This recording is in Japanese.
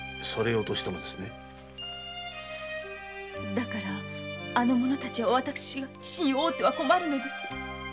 だからあの者たちは私が父に会うては困るのです。